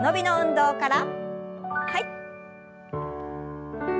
はい。